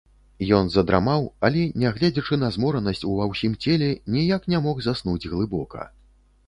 Ён задрамаў, але, нягледзячы на зморанасць ува ўсім целе, ніяк не мог заснуць глыбока.